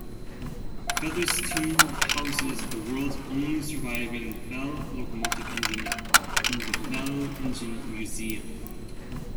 Featherston houses the world's only surviving Fell locomotive engine in the Fell Engine Museum.